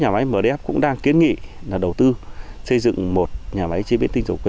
nhà máy mdf cũng đang kiến nghị đầu tư xây dựng một nhà máy chế biến tinh dầu quế